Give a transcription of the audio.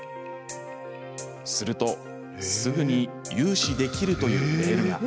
すると、すぐに融資できるというメールが。